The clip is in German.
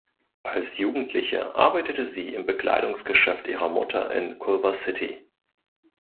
Als Jugendliche arbeitete sie im Bekleidungsgeschäft ihrer Mutter in Culver City.